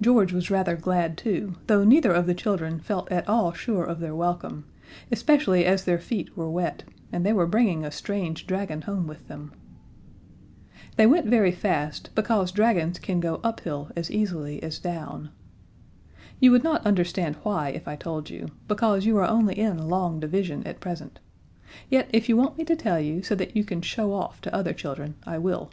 George was rather glad too, though neither of the children felt at all sure of their welcome, especially as their feet were wet, and they were bringing a strange dragon home with them. They went very fast, because dragons can go uphill as easily as down. You would not understand why if I told you because you are only in long division at present; yet if you want me to tell you, so that you can show off to other children, I will.